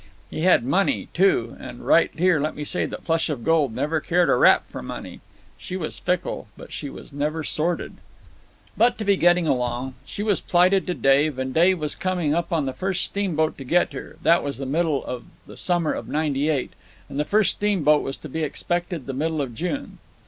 He had money, too—and right here let me say that Flush of Gold never cared a rap for money. She was fickle, but she was never sordid. "But to be getting along. She was plighted to Dave, and Dave was coming up on the first steamboat to get her—that was the summer of '98, and the first steamboat was to be expected the middle of June.